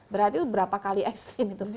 berarti berapa kali ekstrim itu